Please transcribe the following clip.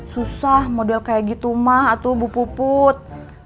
susah model kayak gitu mah atuh bu puput